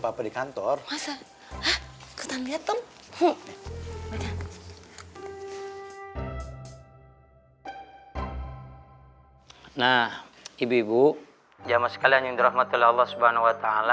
hai ketemu ya tom huh nah ibu ibu jamaah sekalian indrahmatullah subhanahu wa ta'ala